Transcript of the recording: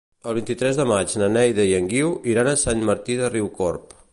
El vint-i-tres de maig na Neida i en Guiu iran a Sant Martí de Riucorb.